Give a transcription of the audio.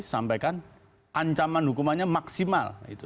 sampaikan ancaman hukumannya maksimal